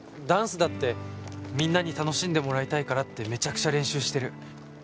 ダンスだってみんなに楽しんでもらいたいからってめちゃくちゃ練習してる。